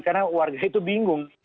karena warga itu bingung